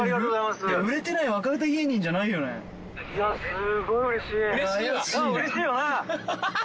すごいうれしい！